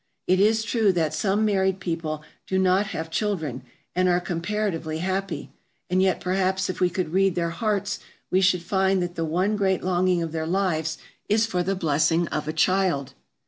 It is true that some married people do not have children, and are comparatively happy, and yet perhaps if we could read their hearts we should find that the one great longing of their lives is for the blessing of a child.